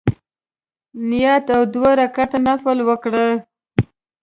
نیت او دوه رکعته نفل وکړي.